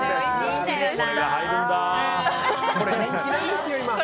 これ人気なんですよ、今。